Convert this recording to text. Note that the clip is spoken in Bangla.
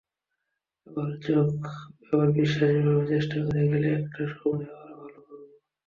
আমার বিশ্বাস এভাবে চেষ্টা করে গেলে একটা সময়ে আমরা ভালো করব।